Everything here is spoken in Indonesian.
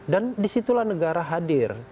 dan disitulah negara hadir